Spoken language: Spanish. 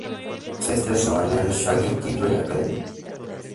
Se entrenó en en el "Shanghai Theatre Academy".